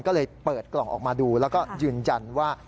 ก็เลยเปิดกล่องออกมาดูแล้วก็ยืนยันว่า